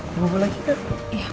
mau bobo lagi gak